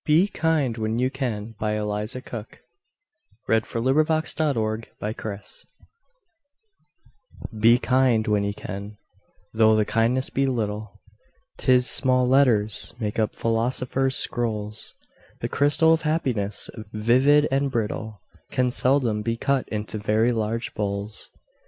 46033Be Kind When You CanEliza Cook Be kind when you can, though the kindness be little, 'Tis small letters make up philosophers' scrolls; The crystal of Happiness, vivid and brittle, Can seldom be cut into very large bowls.